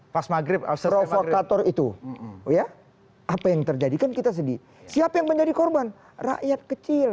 pas maghrib provokator itu ya apa yang terjadi kan kita sedih siapa yang menjadi korban rakyat kecil